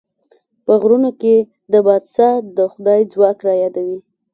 په غرونو کې د باد ساه د خدای ځواک رايادوي.